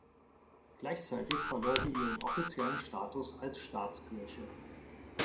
Gleichzeitig verlor sie ihren offiziellen Status als Staatskirche.